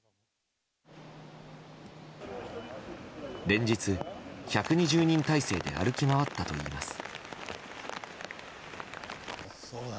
連日１２０人態勢で歩き回ったといいます。